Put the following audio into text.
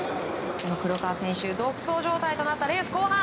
黒川選手、独走状態となったレース後半。